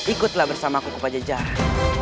ikutlah bersamaku ke pajajaran